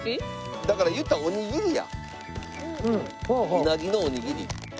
うなぎのおにぎり。